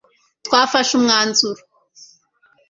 Twafashe umwanzuro